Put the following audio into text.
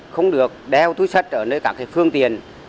không được đeo túi sách ở nơi các phương tiện